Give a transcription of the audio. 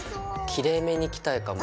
きれいめに着たいかも。